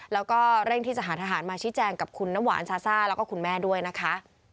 แล้วก็เร่งที่จะหาทหารมาชี้แจงกับคุณน้ำหวานซาซ่าแล้วก็คุณแม่ด้วยนะคะ